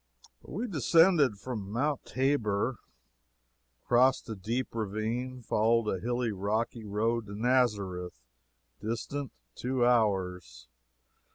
We descended from Mount Tabor, crossed a deep ravine, followed a hilly, rocky road to Nazareth distant two hours.